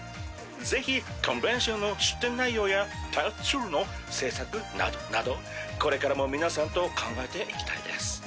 ぜひコンベンションの出展内容やパート２の制作などなどこれからも皆さんと考えていきたいです。